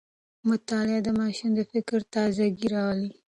مطالعه د ماشوم د فکر تازه ګي راولي.